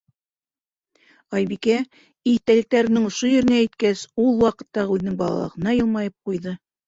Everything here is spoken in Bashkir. Айбикә, иҫтәлектәренең ошо еренә еткәс, ул ваҡыттағы үҙенең балалығына йылмайып ҡуйҙы.